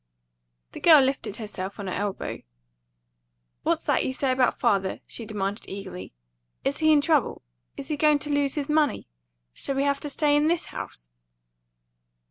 The girl lifted herself on her elbow. "What's that you say about father?" she demanded eagerly. "Is he in trouble? Is he going to lose his money? Shall we have to stay in this house?"